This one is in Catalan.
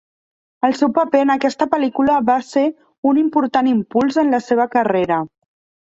El seu paper en aquesta pel·lícula va ser un important impuls en la seva carrera.